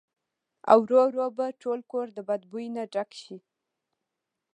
او ورو ورو به ټول کور د بدبو نه ډک شي